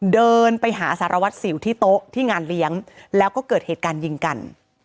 เดินไปหาสารวัตรสิวที่โต๊ะที่งานเลี้ยงแล้วก็เกิดเหตุการณ์ยิงกัน